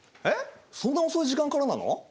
えっそんな遅い時間からなの？